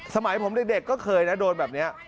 สมัยผมเด็กก็เคยนะโดนแบบนี้